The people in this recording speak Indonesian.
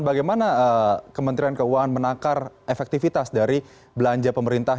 bagaimana kementerian keuangan menakar efektivitas dari belanja pemerintah